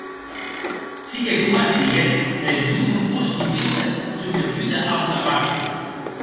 Sigue coma sigue, mès jo non posqui víuer sometuda a Bonaparte.